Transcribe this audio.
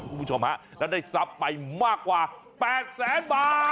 คุณผู้ชมฮะแล้วได้ทรัพย์ไปมากกว่า๘แสนบาท